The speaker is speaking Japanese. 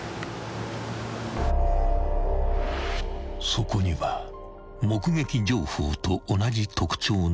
［そこには目撃情報と同じ特徴の男が］